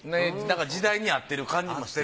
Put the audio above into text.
時代に合ってる感じもして。